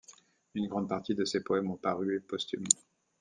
Une grande partie de ses poèmes ont paru posthumes.